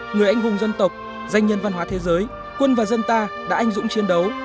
người anh hùng dân tộc danh nhân văn hóa thế giới quân và dân ta đã anh dũng chiến đấu